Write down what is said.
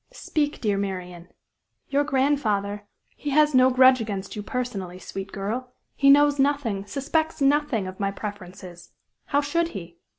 Speak, dear Marian." "Your grandfather " "He has no grudge against you, personally, sweet girl; he knows nothing, suspects nothing of my preferences how should he?